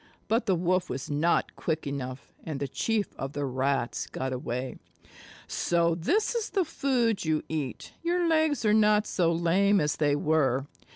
But the Wolf was not quick enough, and the Chief of the Rats got away. "So this is the food you eat. Your legs are not so lame as they were.